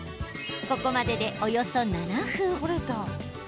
ここまでで、およそ７分。